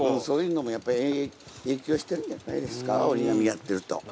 そういうのもやっぱり影響してるんじゃないですかおりがみやってると。